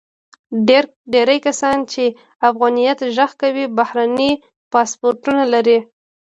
ډیری کسان چې د افغانیت غږ کوي، بهرني پاسپورتونه لري.